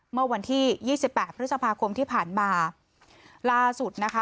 เมื่อวันที่ยี่สิบแปดพฤษภาคมที่ผ่านมาล่าสุดนะคะ